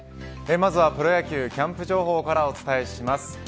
まずはプロ野球キャンプ情報からお伝えします。